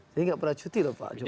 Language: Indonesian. jadi nggak pernah cuti loh pak jokowi